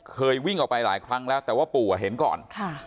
วิ่งออกไปหลายครั้งแล้วแต่ว่าปู่เห็นก่อน